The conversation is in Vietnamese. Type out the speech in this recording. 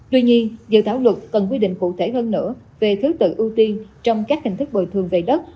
tuy nhiên dự thảo luật cần quy định cụ thể hơn nữa về thứ tự ưu tiên trong các hình thức bồi thường về đất